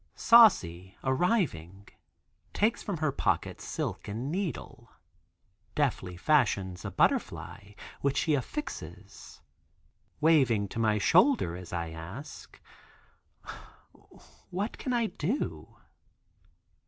Saucy arriving, takes from her pocket silk and needle, deftly fashions a butterfly, which she affixes, waving to my shoulder. As I ask: "What can I do?"